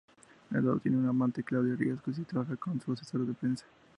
Eduardo tiene una amante, Claudia Riascos, que trabaja como su asesora de prensa.